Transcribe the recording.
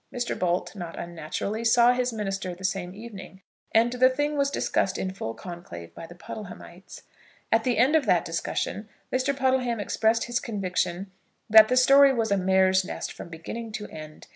Mr. Bolt, not unnaturally, saw his minister the same evening, and the thing was discussed in full conclave by the Puddlehamites. At the end of that discussion, Mr. Puddleham expressed his conviction that the story was a mare's nest from beginning to end.